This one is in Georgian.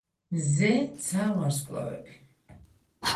მზე ცა ვარსკვლავები